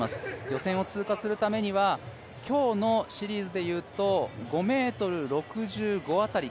予選を通過するためには今日のシリーズでいうと５ｍ６５辺り